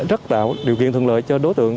rất đạo điều kiện thường lợi cho đối tượng